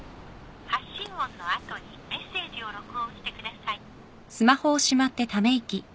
発信音の後にメッセージを録音してください。